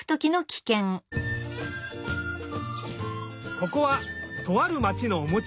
ここはとあるまちのおもちゃやさん。